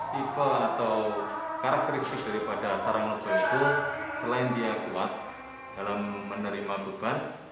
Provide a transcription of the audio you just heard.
tipe atau karakteristik daripada sarang novel itu selain dia kuat dalam menerima beban